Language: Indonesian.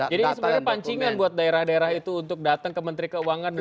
jadi sebenarnya pancingan buat daerah daerah itu untuk datang ke menteri keuangan